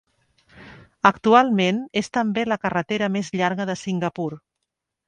Actualment és també la carretera més llarga de Singapur.